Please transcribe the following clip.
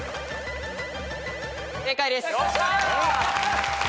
正解です。